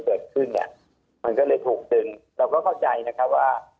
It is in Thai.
เกิดขึ้นเนี่ยมันก็เลยถูกดึงเราก็เข้าใจนะครับว่า